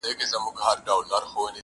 لكه اوبه چي دېوال ووهي ويده سمه زه,